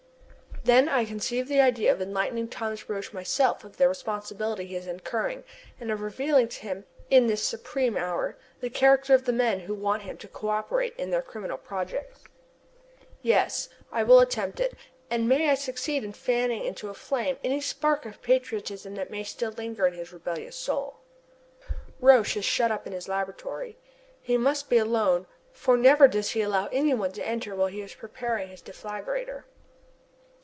Then I conceive the idea of enlightening Thomas Roch, myself, of the responsibility he is incurring and of revealing to him in this supreme hour the character of the men who want him to co operate in their criminal projects. Yes, I will, attempt it, and may I succeed in fanning into a flame any spark of patriotism that may still linger in his rebellious soul! Roch is shut up in his laboratory. He must be alone, for never does he allow any one to enter while he is preparing his deflagrator.